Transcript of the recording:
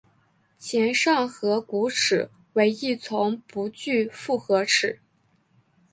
前上颌骨齿为一丛不具复合齿。